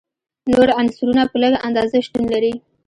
نور عنصرونه په لږه اندازه شتون لري.